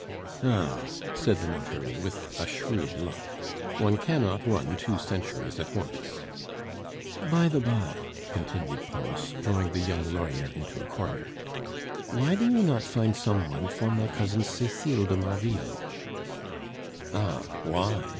"Ah!" said the notary, with a shrewd look, "one cannot run two centuries at once." "By the by," continued Pons, drawing the young lawyer into a corner, "why do you not find some one for my cousin Cecile de Marville " "Ah! why